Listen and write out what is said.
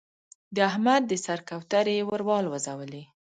د احمد د سر کوترې يې ور والوزولې.